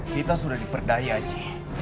kita sudah diperdaya ji